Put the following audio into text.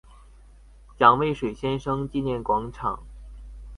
蔣渭水先生紀念廣場